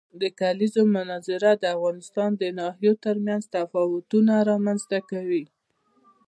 د کلیزو منظره د افغانستان د ناحیو ترمنځ تفاوتونه رامنځ ته کوي.